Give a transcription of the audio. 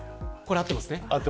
合ってます。